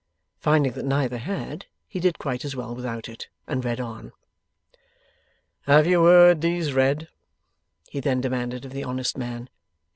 Finding that neither had, he did quite as well without it, and read on. 'Have you heard these read?' he then demanded of the honest man.